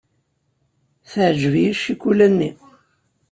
Teɛjeb-iyi ccikula-nni.